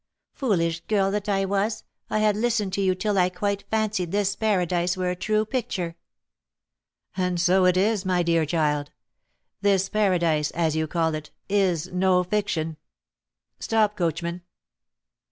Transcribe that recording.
Foolish girl that I was, I had listened to you till I quite fancied this paradise were a true picture." "And so it is, my dear child! This paradise, as you call it, is no fiction." "Stop, coachman!"